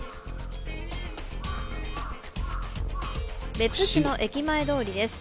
別府市の駅前通りです。